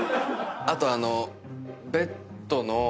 あとあの。